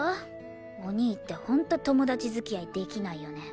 お兄って本当友達付き合いできないよね。